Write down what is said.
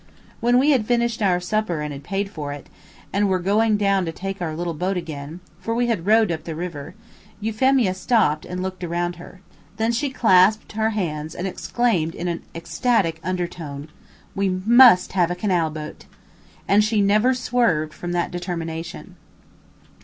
When we had finished our supper and had paid for it, and were going down to take our little boat again, for we had rowed up the river, Euphemia stopped and looked around her. Then she clasped her hands and exclaimed in an ecstatic undertone: "We must have a canal boat!" And she never swerved from that determination.